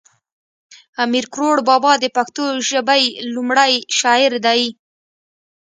امیر کړوړ بابا د پښتو ژبی لومړی شاعر دی